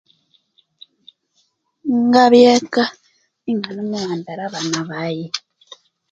Ngabya eka inganemulembera abana baghe